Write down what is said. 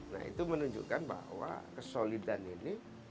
nah itu menunjukkan bahwa kesolidan ini